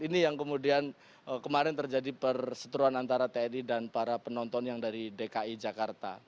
ini yang kemudian kemarin terjadi perseteruan antara tni dan para penonton yang dari dki jakarta